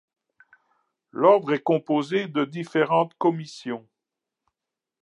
L'ordre est composé de différentes commissions.